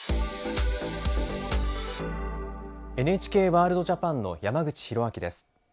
「ＮＨＫワールドＪＡＰＡＮ」の山口寛明です。